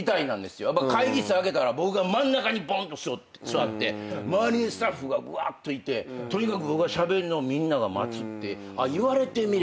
会議室開けたら僕が真ん中にぼんと座って周りにスタッフがぶわっといてとにかく僕がしゃべんのをみんなが待つって言われてみればそうですね。